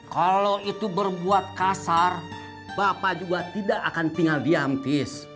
kalau itu berbuat kasar bapak juga tidak akan tinggal diampes